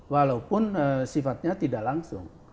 walaupun sifatnya tidak langsung